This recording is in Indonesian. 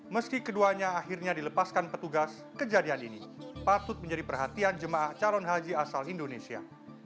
meski keduanya akhirnya dilepaskan petugas kejadian ini patut menjadi perhatian jemaah calon haji asal indonesia